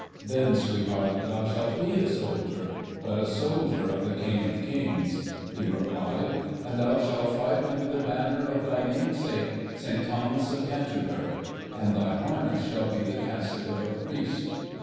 'Then, sweetheart, thou shalt be a soldier, but a soldier of the King of kings,' he replied, 'and thou shalt fight under the banner of thy namesake, St. Thomas of Canterbury, and thy harness shall be the cassock of a priest.